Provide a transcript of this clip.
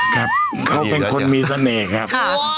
ครับเขาเป็นคนมีเสน่ห์ครับ